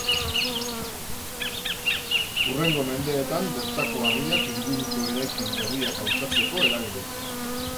Hurrengo mendeetan bertako harriak inguruko eraikin berriak altxatzeko erabili ziren.